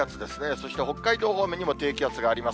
そして北海道方面にも低気圧があります。